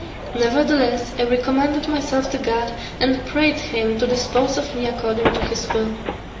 Nevertheless, I recommended myself to God and prayed him to dispose of me according to his will.